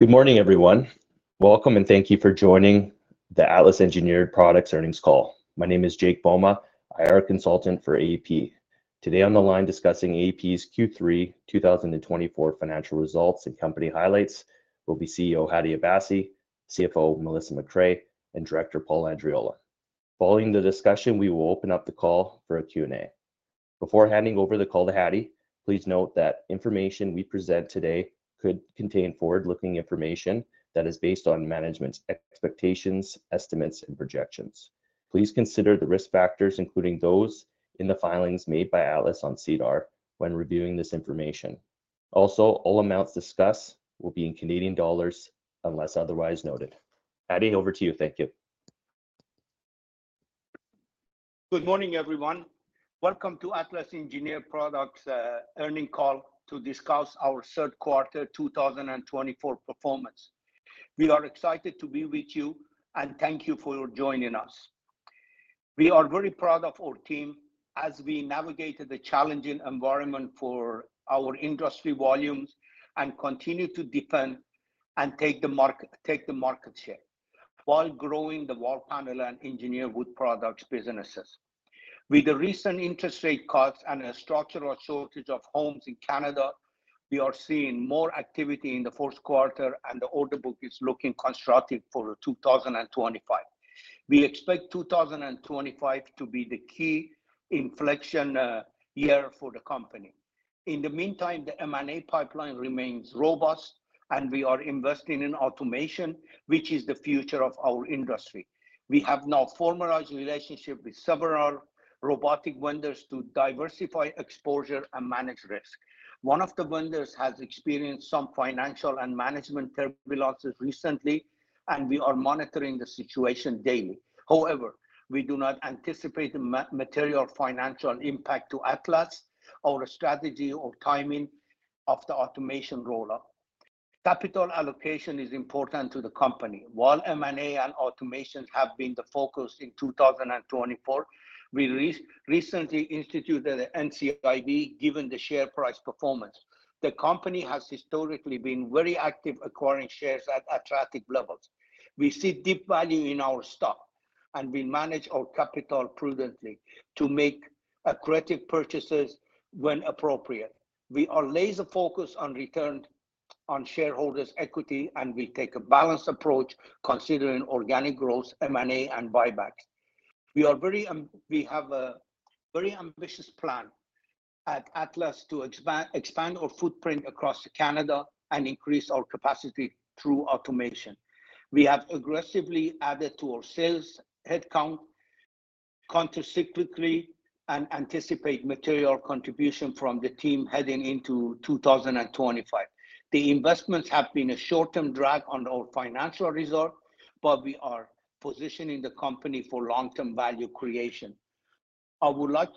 Good morning, everyone. Welcome, and thank you for joining the Atlas Engineered Products Earnings Call. My name is Jake Bouma. I am a consultant for AEP. Today on the line discussing AEP's Q3 2024 financial results and company highlights will be CEO Hadi Abassi, CFO Melissa MacRae, and Director Paul Andreola. Following the discussion, we will open up the call for a Q&A. Before handing over the call to Hadi, please note that information we present today could contain forward-looking information that is based on management's expectations, estimates, and projections. Please consider the risk factors, including those in the filings made by Atlas on SEDAR+, when reviewing this information. Also, all amounts discussed will be in Canadian dollars unless otherwise noted. Hadi, over to you. Thank you. Good morning, everyone. Welcome to Atlas Engineered Products' Earnings Call to discuss our third quarter 2024 performance. We are excited to be with you, and thank you for joining us. We are very proud of our team as we navigated the challenging environment for our industry volumes and continue to defend and take the market share while growing the wall panel and engineered wood products businesses. With the recent interest rate cuts and a structural shortage of homes in Canada, we are seeing more activity in the fourth quarter, and the order book is looking constructive for 2025. We expect 2025 to be the key inflection year for the company. In the meantime, the M&A pipeline remains robust, and we are investing in automation, which is the future of our industry. We have now formalized relationships with several robotic vendors to diversify exposure and manage risk. One of the vendors has experienced some financial and management turbulences recently, and we are monitoring the situation daily. However, we do not anticipate the material financial impact to Atlas or a strategy or timing of the automation rollout. Capital allocation is important to the company. While M&A and automation have been the focus in 2024, we recently instituted an NCIB given the share price performance. The company has historically been very active acquiring shares at attractive levels. We see deep value in our stock, and we manage our capital prudently to make accurate purchases when appropriate. We are laser-focused on return on shareholders' equity, and we take a balanced approach considering organic growth, M&A, and buybacks. We have a very ambitious plan at Atlas to expand our footprint across Canada and increase our capacity through automation. We have aggressively added to our sales headcount countercyclically and anticipate material contribution from the team heading into 2025. The investments have been a short-term drag on our financial result, but we are positioning the company for long-term value creation. I would like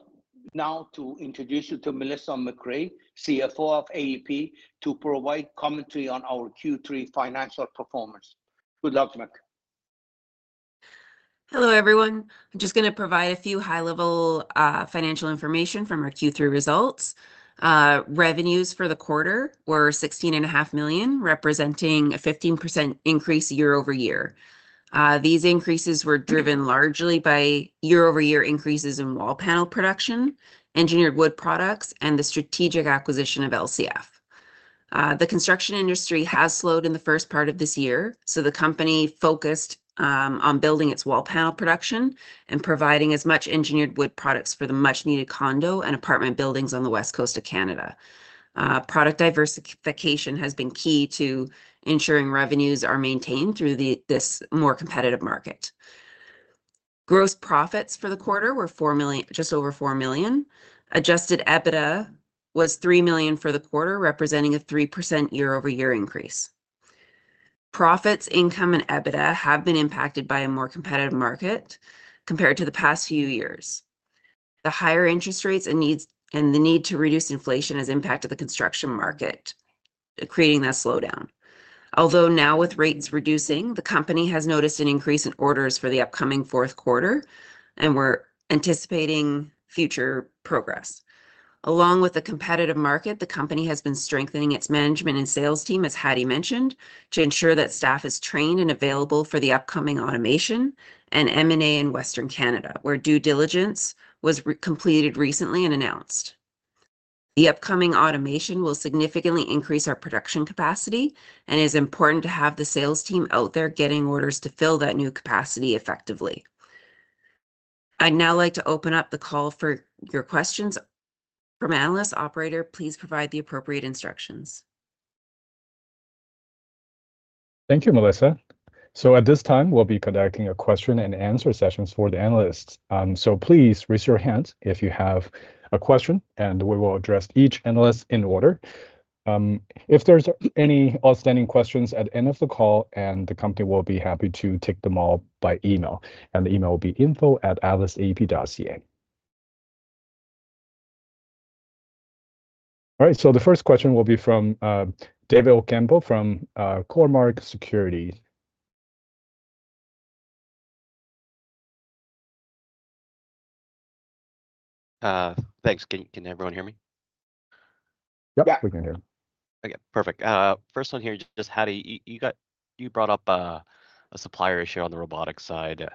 now to introduce you to Melissa MacRae, CFO of AEP, to provide commentary on our Q3 financial performance. Good luck, Mac. Hello, everyone. I'm just going to provide a few high-level financial information from our Q3 results. Revenues for the quarter were 16.5 million, representing a 15% increase year over year. These increases were driven largely by year-over-year increases in wall panel production, engineered wood products, and the strategic acquisition of LCF. The construction industry has slowed in the first part of this year, so the company focused on building its wall panel production and providing as much engineered wood products for the much-needed condo and apartment buildings on the West Coast of Canada. Product diversification has been key to ensuring revenues are maintained through this more competitive market. Gross profits for the quarter were just over 4 million. Adjusted EBITDA was 3 million for the quarter, representing a 3% year-over-year increase. Profits, income, and EBITDA have been impacted by a more competitive market compared to the past few years. The higher interest rates and the need to reduce inflation has impacted the construction market, creating that slowdown. Although now with rates reducing, the company has noticed an increase in orders for the upcoming fourth quarter, and we're anticipating future progress. Along with the competitive market, the company has been strengthening its management and sales team, as Hadi mentioned, to ensure that staff is trained and available for the upcoming automation and M&A in Western Canada, where due diligence was completed recently and announced. The upcoming automation will significantly increase our production capacity, and it is important to have the sales team out there getting orders to fill that new capacity effectively. I'd now like to open up the call for your questions. From analyst, Operator, please provide the appropriate instructions. Thank you, Melissa. So at this time, we'll be conducting a question-and-answer session for the analysts. So please raise your hand if you have a question, and we will address each analyst in order. If there's any outstanding questions at the end of the call, the company will be happy to take them all by email, and the email will be info@atlasaep.ca. All right, so the first question will be from David Ocampo from Cormark Securities. Thanks. Can everyone hear me? Yep. Yeah. We can hear you. Okay. Perfect. First one here, just Hadi, you brought up a supplier issue on the robotics side.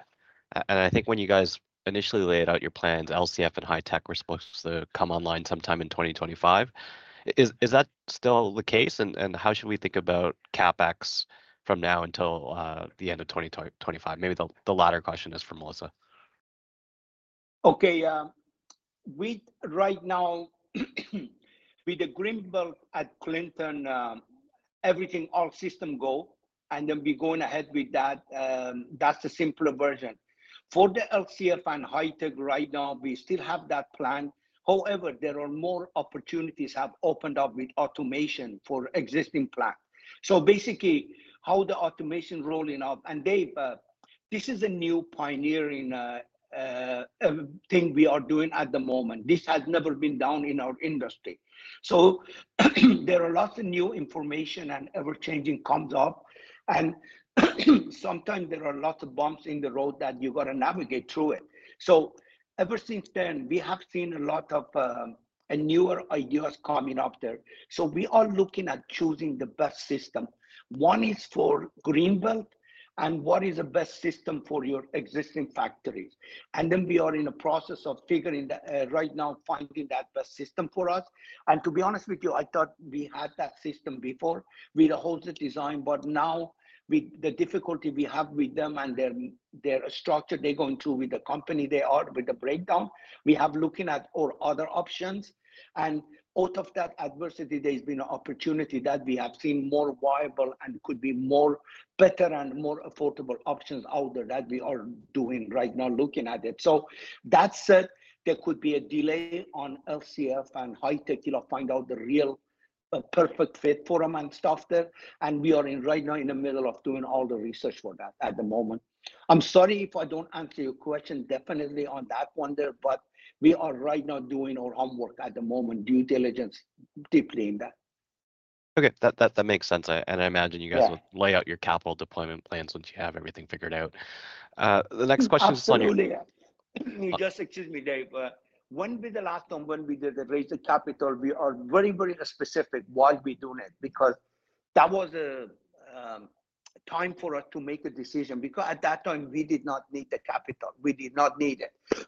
And I think when you guys initially laid out your plans, LCF and Hi-Tec were supposed to come online sometime in 2025. Is that still the case, and how should we think about CapEx from now until the end of 2025? Maybe the latter question is for Melissa. Okay. Right now, with the Greenfield at Clinton, everything, all systems go, and then we're going ahead with that. That's the simpler version. For the LCF and Hi-Tec right now, we still have that plan. However, there are more opportunities that have opened up with automation for existing plants. So basically, how the automation is rolling up, and this is a new pioneering thing we are doing at the moment. This has never been done in our industry. So there are lots of new information and ever-changing comes up, and sometimes there are lots of bumps in the road that you got to navigate through it. So ever since then, we have seen a lot of newer ideas coming up there. So we are looking at choosing the best system. One is for Greenfield, and what is the best system for your existing factories. And then we are in the process of figuring, right now, finding that best system for us. And, to be honest with you, I thought we had that system before with the whole design, but now with the difficulty we have with them and their structure they're going through with the company they are, with the breakdown, we have looking at other options. And out of that adversity, there has been an opportunity that we have seen, more viable and could be better and more affordable options out there that we are doing right now, looking at it. So that said, there could be a delay on LCF and Hi-Tec to find out the real perfect fit for them and stuff there. And we are right now in the middle of doing all the research for that at the moment. I'm sorry if I don't answer your question definitely on that one there, but we are right now doing our homework at the moment, due diligence deeply in that. Okay. That makes sense. And I imagine you guys will lay out your capital deployment plans once you have everything figured out. The next question is on your. Absolutely. Just excuse me, Dave. When we did the last one, when we did the raise the capital, we are very, very specific why we're doing it because that was a time for us to make a decision because at that time, we did not need the capital. We did not need it.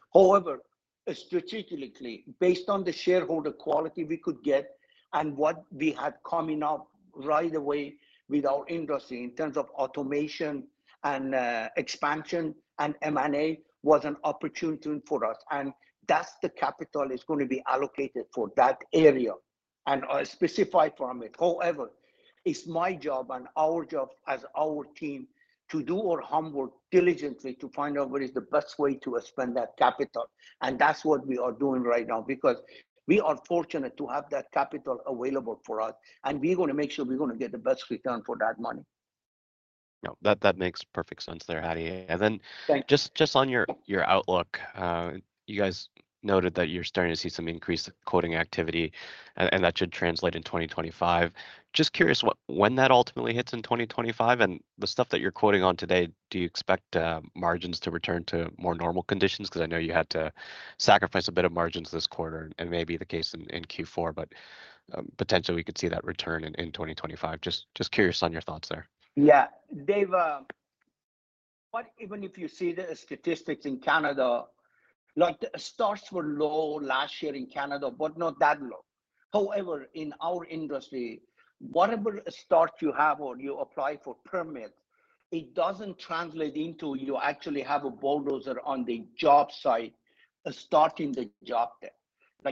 However, strategically, based on the shareholder quality we could get and what we had coming up right away with our industry in terms of automation and expansion and M&A was an opportunity for us. And that's the capital that's going to be allocated for that area and specified from it. However, it's my job and our job as our team to do our homework diligently to find out what is the best way to spend that capital. That's what we are doing right now because we are fortunate to have that capital available for us, and we're going to make sure we're going to get the best return for that money. That makes perfect sense there, Hadi. And then just on your outlook, you guys noted that you're starting to see some increased quoting activity, and that should translate in 2025. Just curious, when that ultimately hits in 2025, and the stuff that you're quoting on today, do you expect margins to return to more normal conditions? Because I know you had to sacrifice a bit of margins this quarter, and maybe the case in Q4, but potentially we could see that return in 2025. Just curious on your thoughts there. Yeah. Dave, even if you see the statistics in Canada, starts were low last year in Canada, but not that low. However, in our industry, whatever start you have or you apply for permit, it doesn't translate into you actually have a bulldozer on the job site starting the job there.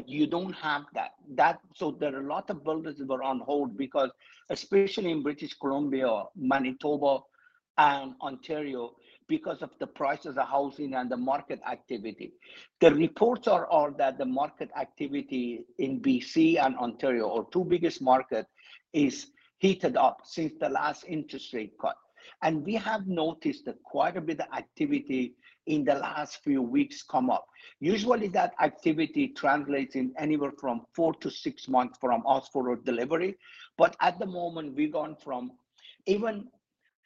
You don't have that. So there are a lot of builders that were on hold because, especially in British Columbia, Manitoba, and Ontario, because of the prices of housing and the market activity. The reports are that the market activity in BC and Ontario, our two biggest markets, is heated up since the last interest rate cut. And we have noticed that quite a bit of activity in the last few weeks come up. Usually, that activity translates in anywhere from four to six months from us for our delivery. But at the moment, we've gone from even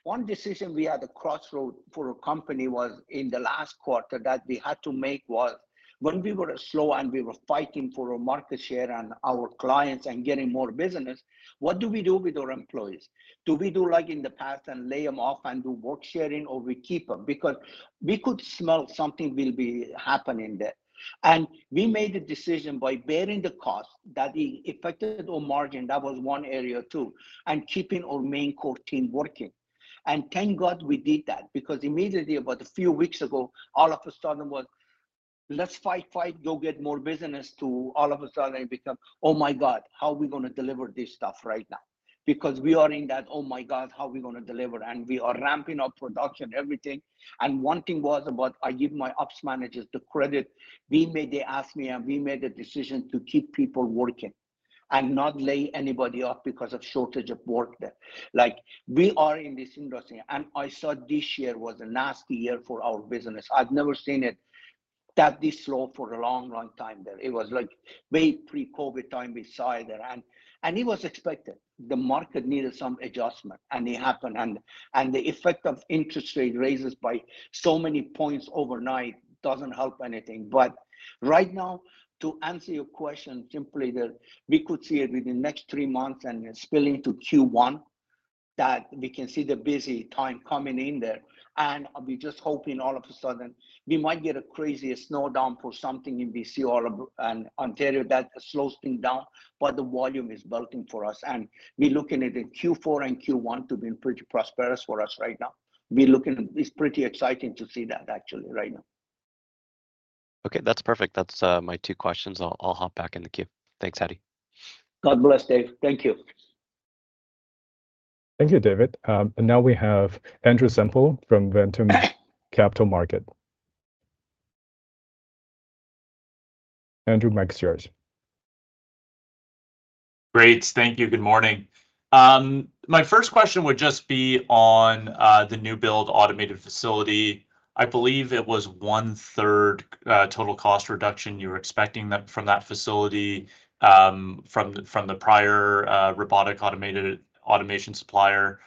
one decision we had a crossroad for a company was in the last quarter that we had to make was when we were slow and we were fighting for our market share and our clients and getting more business. What do we do with our employees? Do we do like in the past and lay them off and do work sharing, or we keep them? Because we could smell something will be happening there. And we made a decision by bearing the cost that affected our margin. That was one area too, and keeping our main core team working. Thank God we did that because immediately about a few weeks ago, all of a sudden was, "Let's fight, fight, go get more business," to all of a sudden it become, "Oh my God, how are we going to deliver this stuff right now?" Because we are in that, "Oh my God, how are we going to deliver?" And we are ramping up production, everything. And one thing was about I gave my ops managers the credit. We made they asked me, and we made a decision to keep people working and not lay anybody off because of shortage of work there. We are in this industry, and I saw this year was a nasty year for our business. I've never seen it that this slow for a long, long time there. It was like way pre-COVID time we saw it there. And it was expected. The market needed some adjustment, and it happened. The effect of interest rate raises by so many points overnight doesn't help anything. But right now, to answer your question simply there, we could see it within the next three months and spilling to Q1 that we can see the busy time coming in there. We're just hoping all of a sudden we might get a crazy slowdown for something in BC and Ontario that slows things down, but the volume is building for us. We're looking at Q4 and Q1 to be pretty prosperous for us right now. It's pretty exciting to see that actually right now. Okay. That's perfect. That's my two questions. I'll hop back in the queue. Thanks, Hadi. God bless, Dave. Thank you. Thank you, David. And now we have Andrew Semple from Ventum Capital Markets. Andrew, mic's yours. Great. Thank you. Good morning. My first question would just be on the new build automated facility. I believe it was one-third total cost reduction you were expecting from that facility from the prior robotic automation supplier.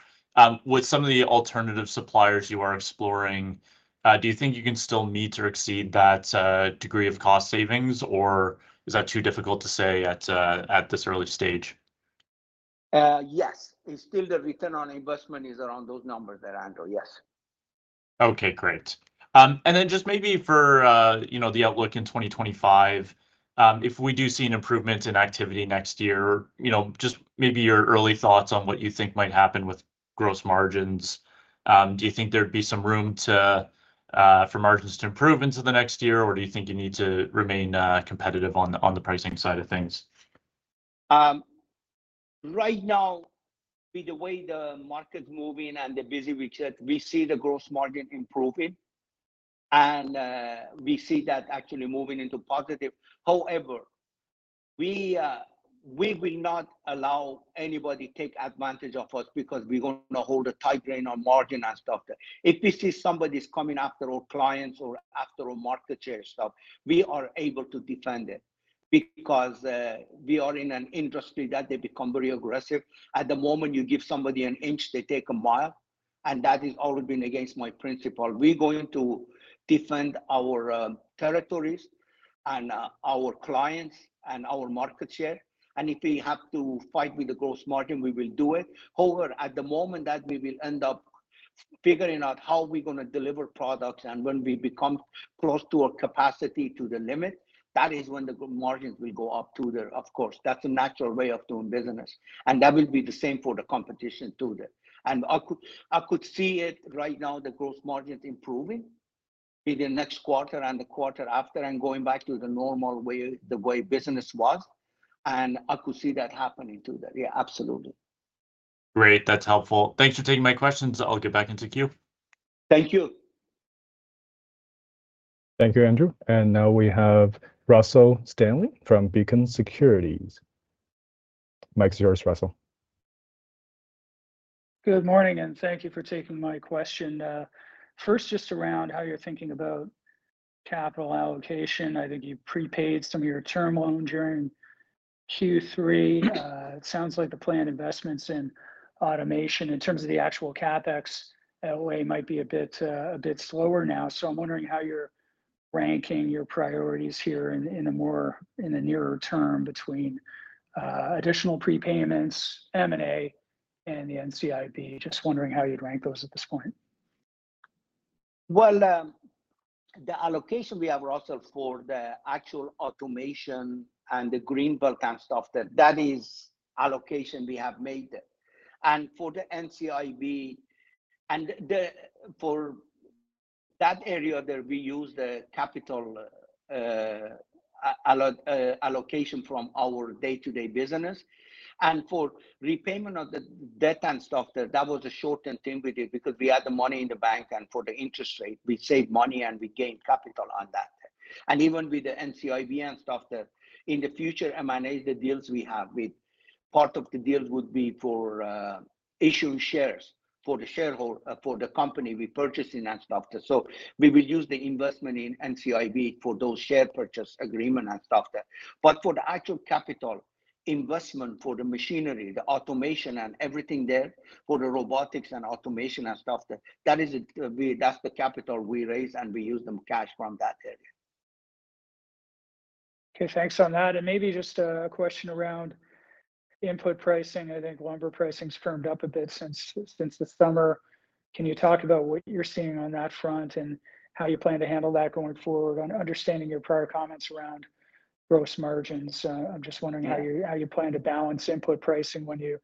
With some of the alternative suppliers you are exploring, do you think you can still meet or exceed that degree of cost savings, or is that too difficult to say at this early stage? Yes. Still, the return on investment is around those numbers there, Andrew. Yes. Okay. Great. And then just maybe for the outlook in 2025, if we do see an improvement in activity next year, just maybe your early thoughts on what you think might happen with gross margins. Do you think there'd be some room for margins to improve into the next year, or do you think you need to remain competitive on the pricing side of things? Right now, with the way the market's moving and the busy weeks, we see the gross margin improving, and we see that actually moving into positive. However, we will not allow anybody to take advantage of us because we're going to hold a tight rein on margin and stuff there. If we see somebody's coming after our clients or after our market share stuff, we are able to defend it because we are in an industry that they become very aggressive. At the moment, you give somebody an inch, they take a mile. And that has always been against my principle. We're going to defend our territories and our clients and our market share. And if we have to fight with the gross margin, we will do it. However, at the moment, that we will end up figuring out how we're going to deliver products, and when we become close to our capacity to the limit, that is when the margins will go up to there. Of course, that's a natural way of doing business. And that will be the same for the competition too there. And I could see it right now, the gross margins improving in the next quarter and the quarter after and going back to the normal way business was. And I could see that happening too there. Yeah, absolutely. Great. That's helpful. Thanks for taking my questions. I'll get back into queue. Thank you. Thank you, Andrew. And now we have Russell Stanley from Beacon Securities. Mic's yours, Russell. Good morning, and thank you for taking my question. First, just around how you're thinking about capital allocation. I think you prepaid some of your term loan during Q3. It sounds like the planned investments in automation in terms of the actual CapEx way might be a bit slower now. So I'm wondering how you're ranking your priorities here in the nearer term between additional prepayments, M&A, and the NCIB. Just wondering how you'd rank those at this point. The allocation we have, Russell, for the actual automation and the greenfield and stuff there, that is allocation we have made. For the NCIB and for that area there, we use the capital allocation from our day-to-day business. For repayment of the debt and stuff there, that was a shortened thing with it because we had the money in the bank, and for the interest rate, we saved money and we gained capital on that. Even with the NCIB and stuff there, in the future, M&A the deals we have with part of the deals would be for issuing shares for the shareholder for the company we're purchasing and stuff there. We will use the investment in NCIB for those share purchase agreement and stuff there. But for the actual capital investment for the machinery, the automation and everything there, for the robotics and automation and stuff there, that is the capital we raise, and we use the cash from that area. Okay. Thanks on that. And maybe just a question around input pricing. I think lumber pricing's firmed up a bit since the summer. Can you talk about what you're seeing on that front and how you plan to handle that going forward on understanding your prior comments around gross margins? I'm just wondering how you plan to balance input pricing when you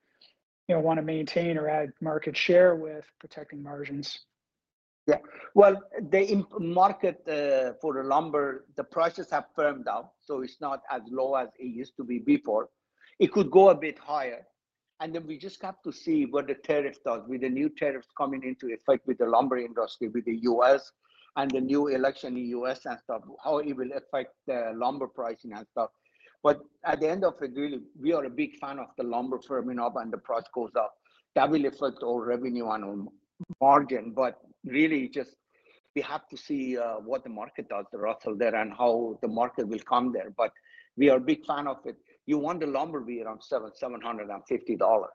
want to maintain or add market share with protecting margins? Yeah. Well, the market for the lumber, the prices have firmed up, so it's not as low as it used to be before. It could go a bit higher. And then we just have to see what the tariff does with the new tariffs coming into effect with the lumber industry with the U.S. and the new election in the U.S. and stuff, how it will affect the lumber pricing and stuff. But at the end of it, really, we are a big fan of the lumber firming up and the price goes up. That will affect our revenue and our margin. But really, just we have to see what the market does, Russell, there and how the market will come there. But we are a big fan of it. You want the lumber be around $750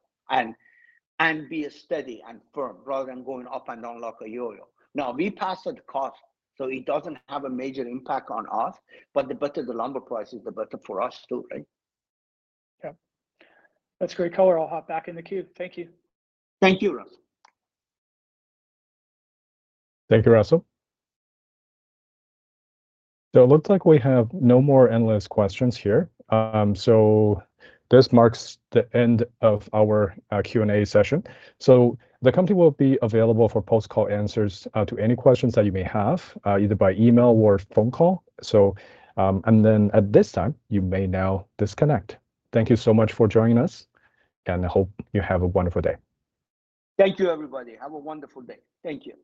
and be steady and firm rather than going up and down like a yo-yo. Now, we passed the cost, so it doesn't have a major impact on us, but the better the lumber price is, the better for us too, right? Yep. That's great color. I'll hop back in the queue. Thank you. Thank you, Russell. Thank you, Russell. So it looks like we have no more endless questions here. So this marks the end of our Q&A session. So the company will be available for post-call answers to any questions that you may have either by email or phone call. And then at this time, you may now disconnect. Thank you so much for joining us, and I hope you have a wonderful day. Thank you, everybody. Have a wonderful day. Thank you.